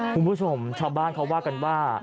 คุณผู้ชมชาวบ้านเขาว่ากันว่า